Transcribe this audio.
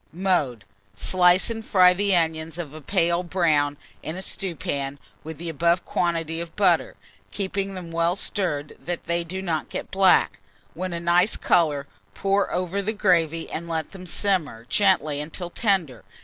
Mode. Slice and fry the onions of a pale brown in a stewpan, with the above quantity of butter, keeping them well stirred, that they do not get black. When a nice colour, pour over the gravy, and let them simmer gently until tender.